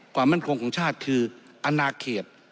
ความมั่นคงของชาติคืออนาเขต